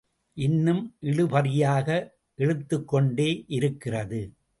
இன்னும் இழுபறியாக இழுத்துக் கொண்டே இருக்கிறது.